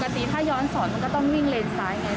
แต่ปกติถ้าย้อนศรมันก็ต้องวิ่งเลนส์ซ้ายไง